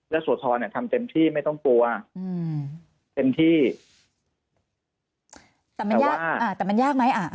และสวทน์ทำเต็มที่ไม่ต้องกลัวเต็มที่แต่มันยากไหมอะ